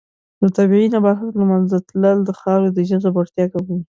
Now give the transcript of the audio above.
د طبیعي نباتاتو له منځه تلل د خاورې د جذب وړتیا کموي.